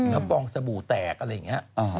แล้วฟองสบู่แตกอะไรอย่างนี้